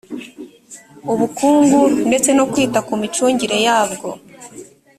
ubukungu ndetse no kwita ku micungire yabwo.